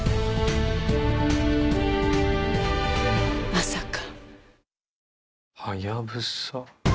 まさか。